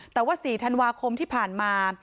แต่ว่า๔ธันวาคมที่ผ่านมา